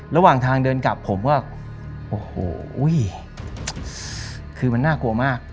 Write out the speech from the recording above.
ระหว่างทางเดินกลับผมก็โอ้โหอุ้ยคือมันน่ากลัวมาก